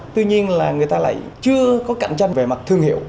tuy nhiên là người ta lại chưa có cạnh tranh về mặt thương hiệu